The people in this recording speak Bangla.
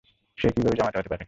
সে কীভাবে জামাতা হতে পারে?